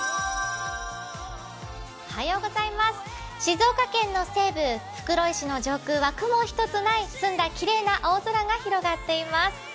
静岡県の西部・袋井市の上空は雲一つない澄んだきれいな青空が広がっています。